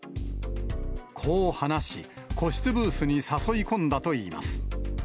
こう話し、個室ブースに誘い込んだといいます。